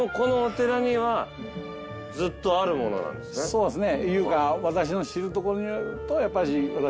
そうですね。